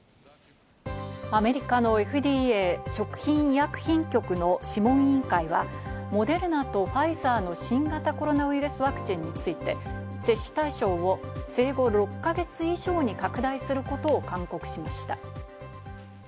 アメリカのＦＤＡ＝食品医薬品局の諮問委員会は、モデルナとファイザーの新型コロナウイルスワクチンについて、接種対象を生後６か月以上に拡大することを勧告しました。